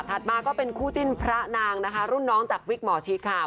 มาก็เป็นคู่จิ้นพระนางนะคะรุ่นน้องจากวิกหมอชิดค่ะ